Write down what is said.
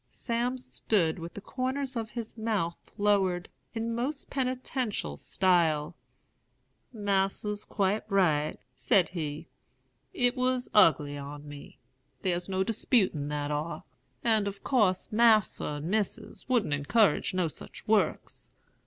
"Sam stood with the corners of his mouth lowered, in most penitential style. 'Mas'r's quite right,' said he. 'It was ugly on me; thar's no disputin' that ar; and of course Mas'r and Missis wouldn't encourage no such works.